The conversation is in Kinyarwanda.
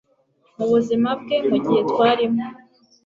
mubuzima bwe Mugihe twarimo